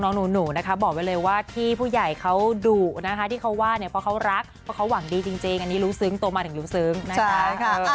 หนูนะคะบอกไว้เลยว่าที่ผู้ใหญ่เขาดุนะคะที่เขาว่าเนี่ยเพราะเขารักเพราะเขาหวังดีจริงอันนี้รู้ซึ้งโตมาถึงรู้ซึ้งนะคะ